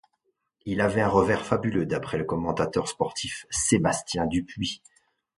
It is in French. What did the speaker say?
Il avait un revers fabuleux d'après le commentateur sportif Sébastien Dupuis.